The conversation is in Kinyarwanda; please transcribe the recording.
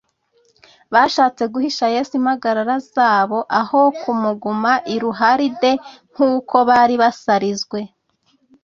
Bashatse guhisha Yesu impagarara zabo aho kumuguma iruharide nk'uko bari basarizwe,